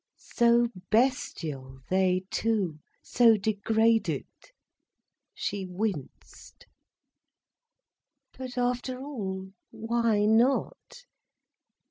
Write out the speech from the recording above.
So bestial, they two!—so degraded! She winced. But after all, why not?